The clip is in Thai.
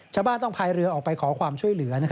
ชาวบ้านต้องพายเรือออกไปขอความช่วยเหลือ